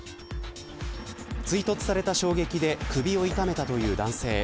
追突された衝撃で首を痛めたという男性。